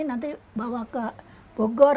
nanti bawa ke bogor